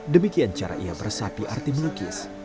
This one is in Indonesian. demikian cara ia bersapi arti melukis